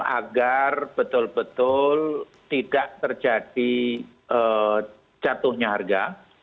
agar betul betul tidak terjadi jatuhnya harga